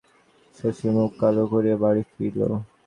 শশী মুখ কালো করিয়া বাড়ি ফিরিল।